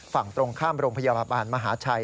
ฝั่งตรงข้ามโรงพยาบาลมหาชัย